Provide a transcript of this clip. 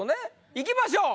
いきましょう。